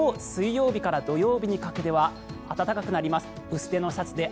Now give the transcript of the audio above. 一方、水曜日から土曜日にかけては暖かくなります。